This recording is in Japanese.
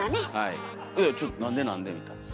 「いやちょっとなんでなんで？」みたいな。